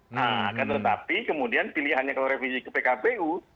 nah akan tetapi kemudian pilihannya kalau revisi ke pkpu